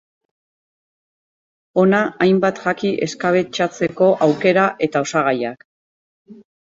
Hona hainbat jaki eskabetxatzeko aukera eta osagaiak.